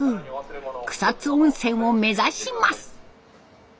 草津温泉を目指します。